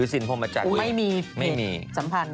สินที่ผมมะจัง